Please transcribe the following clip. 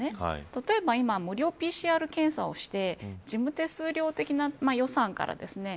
例えば今、無料ＰＣＲ検査をして事務手数料的な予算からですね。